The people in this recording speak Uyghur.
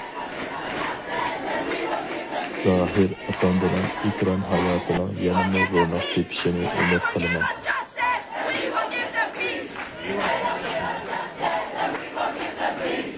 زاھىر ئەپەندىنىڭ ئېكران ھاياتىنىڭ يەنىمۇ روناق تېپىشىنى ئۈمىد قىلىمەن.